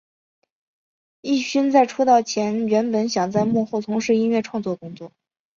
镒勋在出道前原本想在幕后从事音乐创作工作。